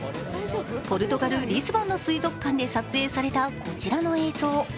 ポルトガル・リスボンの水族館で撮影されたこちらの映像。